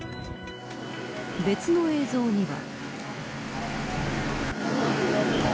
別の映像には。